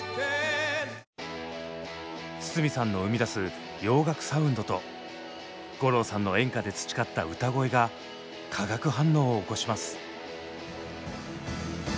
筒美さんの生み出す洋楽サウンドと五郎さんの演歌で培った歌声が化学反応を起こします。